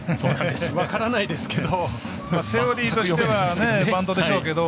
分からないですけどセオリーとしてはバントでしょうけど。